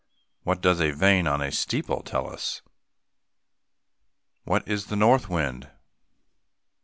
What does a vane on a steeple tell us? What is a north wind?